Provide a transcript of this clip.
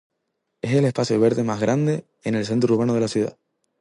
Es el espacio verde más grande en el centro urbano de la ciudad.